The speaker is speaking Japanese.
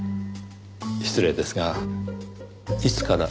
失礼ですがいつから？